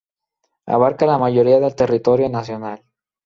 Abarca la mayoría del territorio nacional.